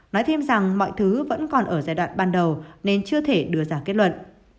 nói thêm rằng mọi thứ vẫn còn ở giai đoạn ban đầu nên chưa thể đưa ra kết luận